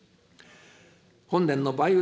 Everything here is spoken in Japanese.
本年の梅雨